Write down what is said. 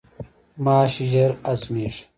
ماش ژر هضمیږي.